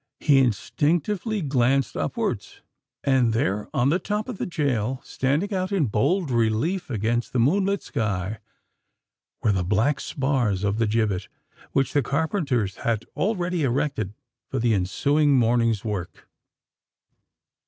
He instinctively glanced upwards:—and there—on the top of the gaol—standing out in bold relief against the moon lit sky, were the black spars of the gibbet which the carpenters had already erected for the ensuing morning's work!